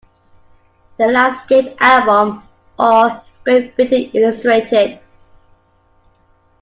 "The landscape album; or, Great Britain illustrated".